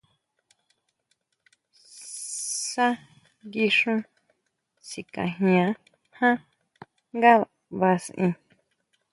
Saʼa nguixún sikajian ján ngabasen.